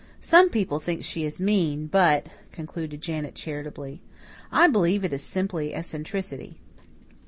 Some people think she is mean; but," concluded Janet charitably, "I believe it is simply eccentricity."